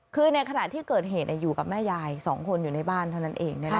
คือในขณะที่เกิดเหตุอยู่กับแม่ยาย๒คนอยู่ในบ้านเท่านั้นเอง